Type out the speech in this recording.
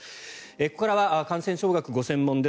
ここからは感染症学がご専門です